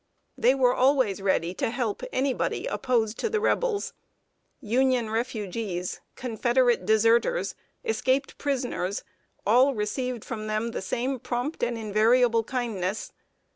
They were always ready to help anybody opposed to the Rebels. Union refugees, Confederate deserters, escaped prisoners all received from them the same prompt and invariable kindness.